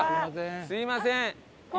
すみません。